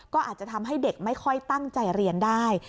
ก็อาจจะทำให้เด็กไม่ค่อยตั้งใจเรียนได้